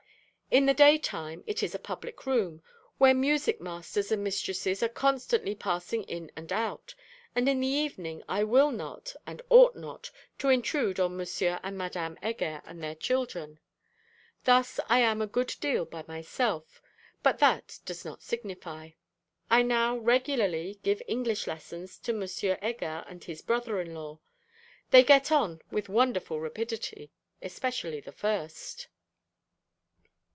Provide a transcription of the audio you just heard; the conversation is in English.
In the daytime it is a public room, where music masters and mistresses are constantly passing in and out; and in the evening I will not, and ought not, to intrude on M. and Madame Heger and their children. Thus I am a good deal by myself; but that does not signify. I now regularly give English lessons to M. Heger and his brother in law. They get on with wonderful rapidity, especially the first.